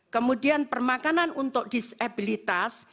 kemudian permakanan untuk disabilitas